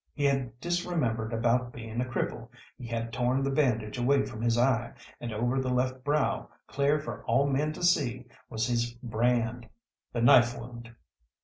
He had disremembered about being a cripple, he had torn the bandage away from his eye, and over the left brow, clear for all men to see, was his brand, the knife wound!